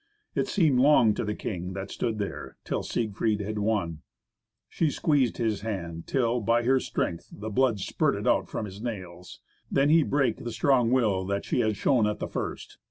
It seemed long to the king, that stood there, till Siegfried had won. She squeezed his hands till, by her strength, the blood spurted out from his nails. Then he brake the strong will that she had shown at the first.